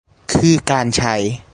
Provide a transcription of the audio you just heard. คือการใช้